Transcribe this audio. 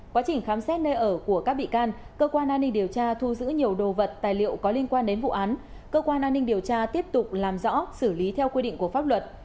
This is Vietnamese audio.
quá trình khám xét nơi ở của các bị can cơ quan an ninh điều tra thu giữ nhiều đồ vật tài liệu có liên quan đến vụ án cơ quan an ninh điều tra tiếp tục làm rõ xử lý theo quy định của pháp luật